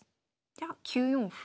じゃあ９四歩。